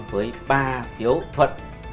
với ba phiếu thuật